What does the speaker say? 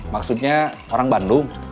maksudnya orang bandung